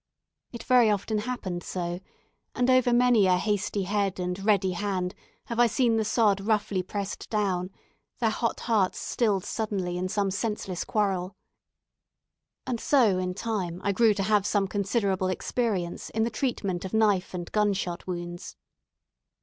It very often happened so, and over many a hasty head and ready hand have I seen the sod roughly pressed down, their hot hearts stilled suddenly in some senseless quarrel. And so in time I grew to have some considerable experience in the treatment of knife and gun shot wounds.